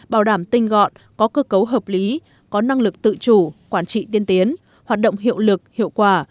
bảo đảm tinh gọn có cơ cấu hợp lý có năng lực tự chủ quản trị tiên tiến hoạt động hiệu lực hiệu quả